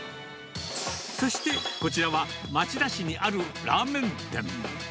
そして、こちらは町田市にあるラーメン店。